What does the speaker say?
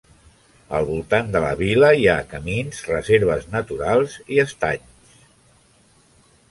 Al voltant de la vila hi ha camins, reserves naturals i estancs.